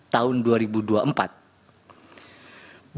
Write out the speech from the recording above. tahun dua ribu dua puluh empat